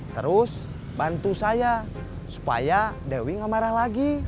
terus bantu saya supaya dewi gak marah lagi